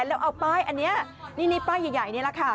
แล้วเอาป้ายอันนี้นี่ป้ายใหญ่นี่แหละค่ะ